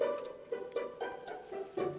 ya kita bisa ke rumah